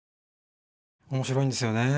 面白いんですよね。